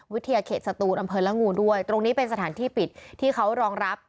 เขตสตูนอำเภอละงูด้วยตรงนี้เป็นสถานที่ปิดที่เขารองรับ